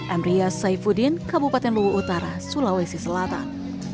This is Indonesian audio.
amriya saifuddin kabupaten luhut utara sulawesi selatan